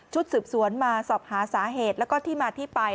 สืบสวนมาสอบหาสาเหตุแล้วก็ที่มาที่ไป